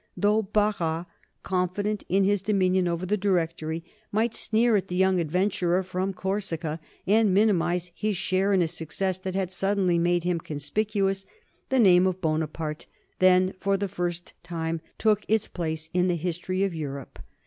Though Barras, confident in his dominion over the Directory, might sneer at the young adventurer from Corsica and minimize his share in a success that had suddenly made him conspicuous, the name of Bonaparte then for the first time took its place in the history of Europe.